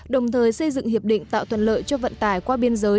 đồng thời xây dựng hiệp định tạo thuận lợi cho vận tải qua biên giới